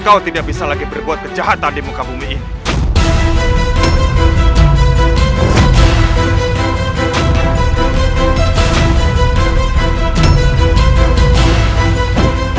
kau tidak bisa lagi berbuat kejahatan di muka bumi ini